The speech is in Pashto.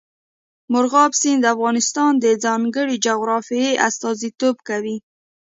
مورغاب سیند د افغانستان د ځانګړي جغرافیه استازیتوب کوي.